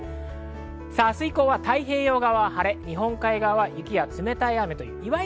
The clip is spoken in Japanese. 明日以降は太平洋側は晴れ、日本海側は雪や冷たい雨です。